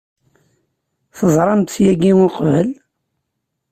Teẓramt-t yagi uqbel?